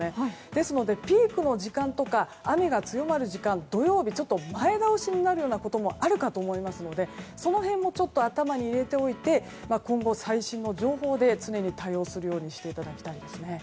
ですので、ピークの時間とか雨が強まる時間は土曜日、前倒しになることもあるかと思いますのでその辺もちょっと頭に入れておいて今後、最新情報で常に対応していただくようにしてください。